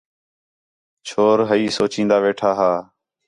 چھور ہئی سُچین٘دا ویٹھا ہا